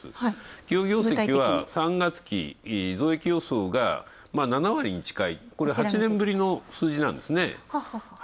企業業績は３月期、増益予想が７割に近いこれ８年ぶりの数字なんですね。